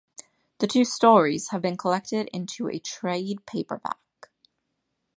The two stories have been collected into a trade paperback.